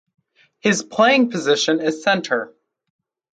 His playing position is centre.